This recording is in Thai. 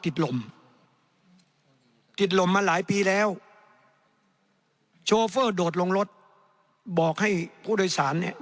ลมติดลมมาหลายปีแล้วโชเฟอร์โดดลงรถบอกให้ผู้โดยสารเนี่ย